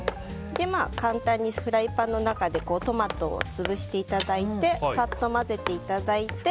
簡単にフライパンの中でトマトを潰していただいてさっと混ぜていただいて。